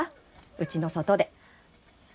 うちの外で。